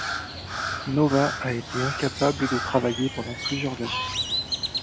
Nova a été incapable de travailler pendant plusieurs années.